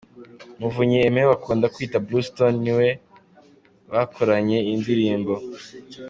Muvunyi Aime bakunda kwita Blueston niwe bakoranye iyi ndirimbo.